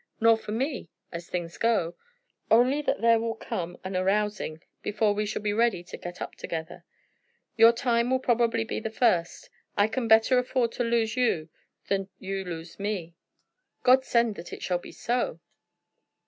"Nor for me, as things go; only that there will come an arousing before we shall be ready to get up together. Your time will probably be the first. I can better afford to lose you than you to lose me." "God send that it shall be so!"